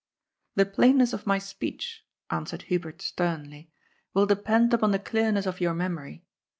" The plainness of my speech," answered Hubert stern ly, " will depend upon the clearness of your memory.